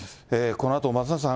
このあと松永さん